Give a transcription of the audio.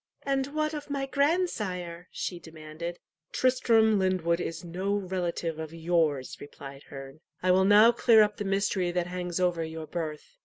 "And what of my grandsire?" she demanded. "Tristram Lyndwood is no relative of yours," replied Herne. "I will now clear up the mystery that hangs over your birth.